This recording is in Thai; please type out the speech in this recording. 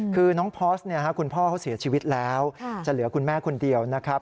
คือน้องพอสคุณพ่อเขาเสียชีวิตแล้วจะเหลือคุณแม่คนเดียวนะครับ